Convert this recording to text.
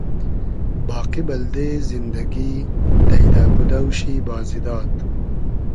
باقی بئلدې زیندئگی دݷدۂ بودۆ شی بازی داد